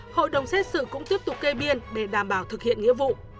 hội đồng xét xử cũng tiếp tục kê biên để đảm bảo thực hiện nghĩa vụ